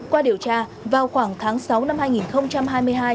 qua điều tra vào khoảng tháng sáu năm hai nghìn hai mươi hai